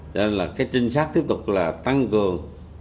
cho nên là cái trinh sát tiếp tục là tăng cường